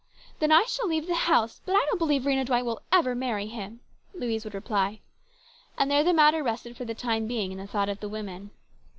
" Then I shall leave the house ; but I don't believe Rhena Dwight will ever marry him," Louise would reply. And there the matter rested for the time being, in the thought of the women.